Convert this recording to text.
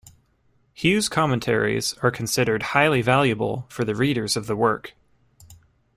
Hu's commentaries are considered highly valuable for readers of the work.